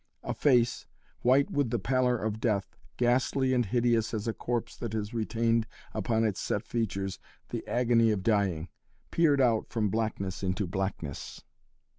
A face, white with the pallor of death, ghastly and hideous as a corpse that has retained upon its set features the agony of dying, peered out from blackness into blackness.